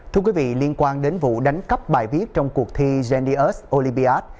thưa quý vị liên quan đến vụ đánh cắp bài viết trong cuộc thi genius olympiad